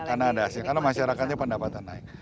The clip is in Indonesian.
karena ada hasilnya karena masyarakatnya pendapatan naik